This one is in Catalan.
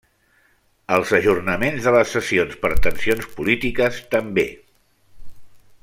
Els ajornaments de les sessions per tensions polítiques també.